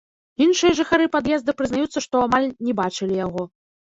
Іншыя жыхары пад'езда прызнаюцца, што амаль не бачылі яго.